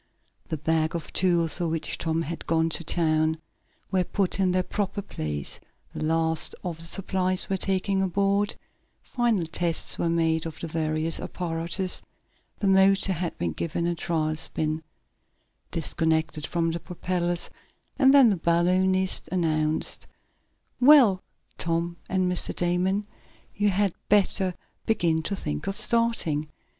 The bag of tools, for which Tom had gone to town, were put in their proper place, the last of the supplies were taken abroad, final tests were made of the various apparatus, the motor had been given a trial spin, disconnected from the propellers, and then the balloonist announced: "Well, Tom and Mr. Damon, you had better begin to think of starting.